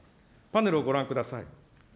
パネルをご覧ください。